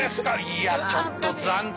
いやちょっと残酷。